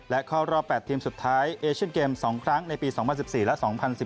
และเข้ารอบ๘ทีมสุดท้ายเอเชียนเกม๒ครั้งในปี๒๐๑๔และ๒๐๑๘